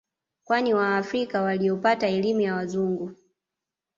Kwani waafrika waliopata elimu ya Wazungu